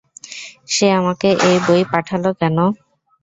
সে আমাকে এই বই পাঠালো কেন?